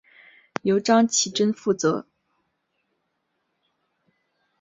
由张启珍负责。